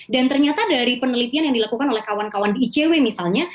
dan ternyata dari penelitian yang dilakukan oleh kawan kawan di icw misalnya